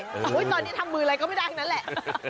ตอนนี้ทำมืออะไรก็ไม่ได้ทั้งนั้นแหละ